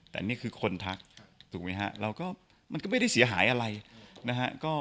แต่นี่คือคนทักถูกไหมฮะเราก็มันก็ไม่ได้เสียหายอะไรนะฮะ